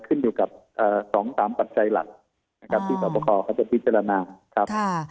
ขึ้นอยู่กับ๒๓ปัจจัยหลักสิ่งที่สอบประคอเขาต้องพิจารณา